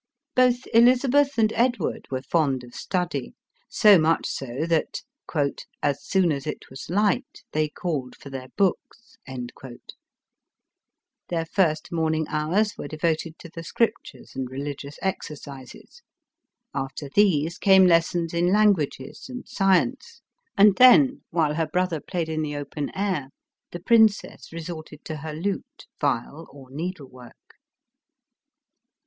Both Elizabeth and Edward were fond of study, so much so that " as soon as it was light they called for their books ;" their first morning hours were devoted to the Scriptures and religious exercises ; after these came lessons in languages and science, and then, while her brother played in the open air, the princess resorted to her lute, viol, or needle work.